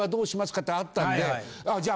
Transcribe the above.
ってあったんでじゃあ